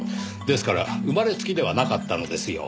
ですから生まれつきではなかったのですよ。